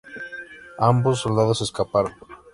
Ambos soldados escaparon.